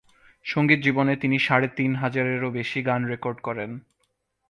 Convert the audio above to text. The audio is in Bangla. সংগীত জীবনে তিনি সাড়ে তিন হাজারেরও বেশি গান রেকর্ড করেন।